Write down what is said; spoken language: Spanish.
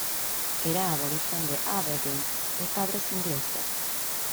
Era aborigen de Aberdeen, de padres ingleses.